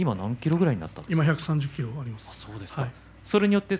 １３０ｋｇあります。